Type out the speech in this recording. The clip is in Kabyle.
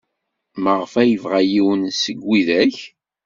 Maɣef ay yebɣa yiwen seg widak?